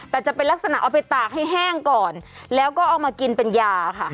แต่จะเป็นลักษณะเอาไปตากให้แห้งก่อนแล้วก็เอามากินเป็นยาค่ะ